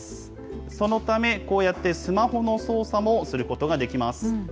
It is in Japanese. そのため、こうやってスマホの操作もすることができます。